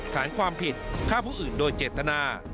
ฐานความผิดฆ่าผู้อื่นโดยเจตนา